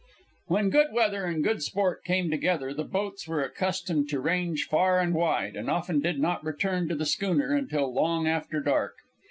When good weather and good sport came together, the boats were accustomed to range far and wide, and often did not return to the schooner until long after dark.